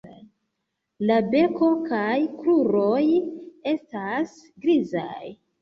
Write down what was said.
La beko kaj kruroj estas grizaj.